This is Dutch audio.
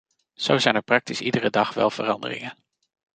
Zo zijn er praktisch iedere dag wel veranderingen.